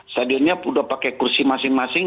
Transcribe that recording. stadionnya sudah pakai kursi masing masing